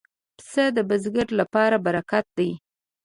پسه د بزګر لپاره برکت دی.